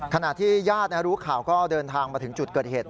ขณะที่ญาติรู้ข่าวก็เดินทางมาถึงจุดเกิดเหตุ